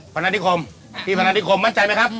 พนัดดิโขมพี่พนัดดิโขมมั่นใจไหมครับ